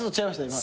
今。